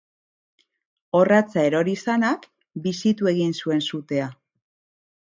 Orratza erori izanak bizitu egin zuen sutea.